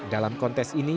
dalam kisah ini